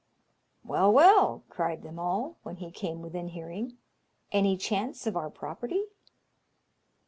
"Well, well," cried them all, when he came within hearing, "any chance of our property?"